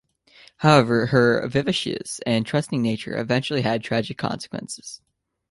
However, her vivacious and trusting nature eventually had tragic consequences.